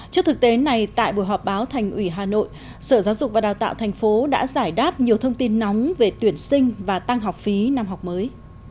trước thực tế này tại buổi họp báo thành ủy hà nội sở giáo dục và đào tạo thành phố đã giải đáp nhiều thông tin nóng về tuyển sinh và tăng học phí năm học mới